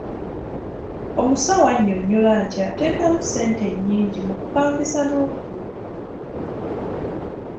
Omusawo annyonnyola nti ateekamu ssente nnyingi mu kupangisa n'okugula ebintu.